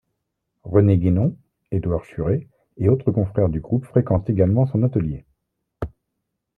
René Guénon, Édouard Schuré et autres confrères du groupe fréquentent également son atelier.